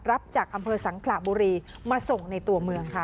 รับจากอำเภอสังขระบุรีมาส่งในตัวเมืองค่ะ